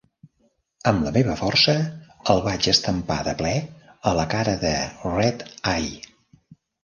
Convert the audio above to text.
Amb la meva força el vaig estampar de ple a la cara de Red-Eye.